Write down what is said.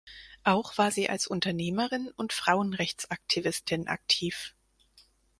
Auch war sie als Unternehmerin und Frauenrechtsaktivistin aktiv.